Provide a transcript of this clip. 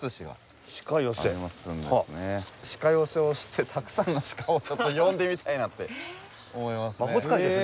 鹿寄せをしてたくさんの鹿をちょっと呼んでみたいなって思いますね。